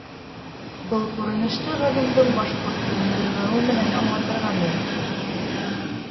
Был күренеште ғалимдың башҡорт телен белмәүе менән аңлатырға мөмкин.